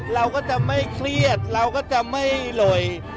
เราก็จะไม่เครียดเราก็จะไม่หล่